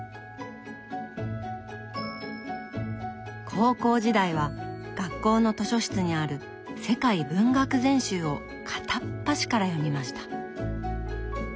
高校時代は学校の図書室にある「世界文学全集」を片っ端から読みました。